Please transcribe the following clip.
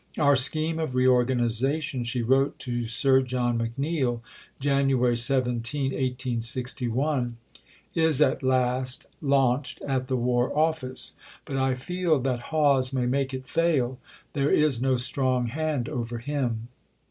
"Our scheme of reorganization," she wrote to Sir John McNeill (Jan. 17, 1861), "is at last launched at the War Office; but I feel that Hawes may make it fail: there is no strong hand over him."